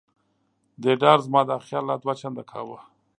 دې ډار زما دا خیال لا دوه چنده کاوه.